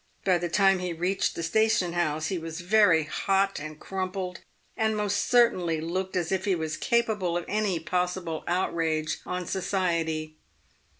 By the time he reached the station house he was very hot and crumpled, and most certainly looked as if he was capable of any possible outrage on society.